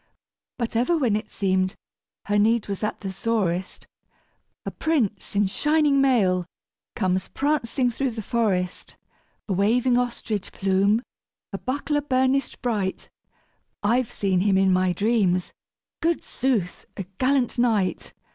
But ever when it seemed her need was at the sorest, A prince in shining mail comes prancing through the forest, A waving ostrich plume a buckler burnished bright; I've seen him in my dreams good sooth! a gallant knight.